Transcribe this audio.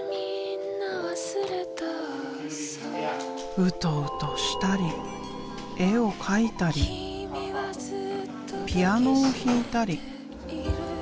ウトウトしたり絵を描いたりピアノを弾いたり。